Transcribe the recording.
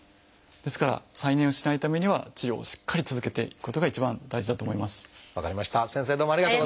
ですから再燃をしないためには治療をしっかり続けていくことが一番大事だと思います。